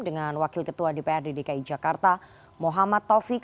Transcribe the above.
dengan wakil ketua dprd dki jakarta muhammad taufik